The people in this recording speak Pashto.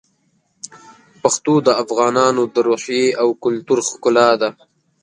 پښتو د افغانانو د روحیې او کلتور ښکلا ده.